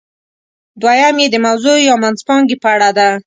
دویم یې د موضوع یا منځپانګې په اړه ده.